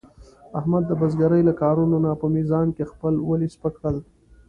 احمد د بزرګرۍ له کارونو نه په میزان کې خپل ولي سپک کړل.